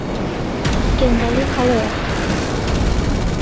گەندەڵی هەڵەیە.